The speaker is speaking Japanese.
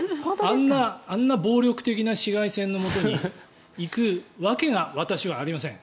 あんな暴力的な紫外線のもとに行くわけが、私はありません。